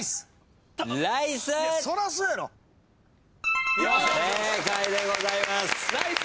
正解でございます。